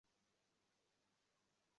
রুমে গিয়ে একটা ফোন করো।